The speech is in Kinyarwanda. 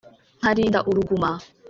nkarinda uruguma